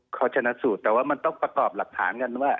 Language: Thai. เขาชนะสูตรแต่ว่ามันต้องประกอบหลักฐานกันว่า